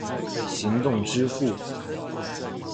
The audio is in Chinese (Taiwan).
行動支付